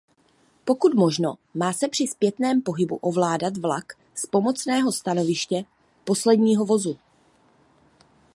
Pokud možno se má při zpětném pohybu ovládat vlak z pomocného stanoviště posledního vozu.